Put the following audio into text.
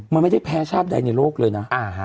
มันไม่ได้แพ้ชาติใดในโลกเลยนะ